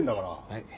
はい。